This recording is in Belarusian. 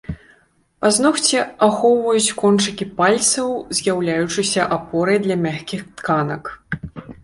Пазногці ахоўваюць кончыкі пальцаў, з'яўляючыся апорай для мяккіх тканак.